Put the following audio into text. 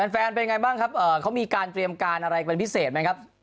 แฟนเป็นไงบ้างครับเขามีการเตรียมการอะไรเป็นพิเศษไหมครับ